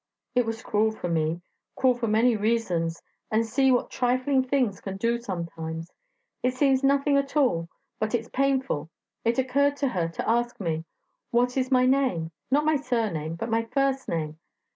... It was cruel for me cruel for many reasons. And see what trifling things can do sometimes; it seems nothing at all, but it's painful. It occurred to her to ask me, what is my name; not my surname, but my first name.